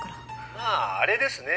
まああれですね。